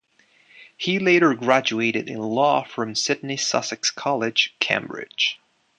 He later graduated in law from Sidney Sussex College, Cambridge.